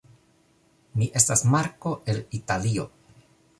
Mi estas Marko el Italio